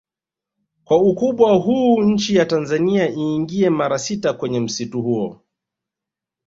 Kwa ukubwa huu nchi ya Tanzania iingie mara sita kwenye msitu huo